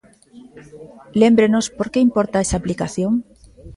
Lémbrenos por que importa esa aplicación?